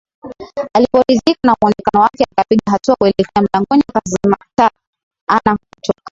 Aliporidhika na mwonekano wake akapiga hatua kuelekea mlangoni akazima ta ana kutoka